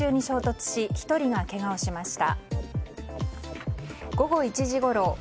本別町で車が電柱に衝突し１人がけがをしました。